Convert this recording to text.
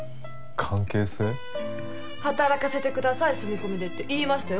働かせてください住み込みでって言いましたよ。